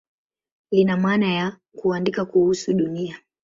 Lina maana ya "kuandika kuhusu Dunia".